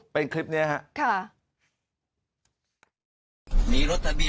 เป็นคลิปนี้ครับ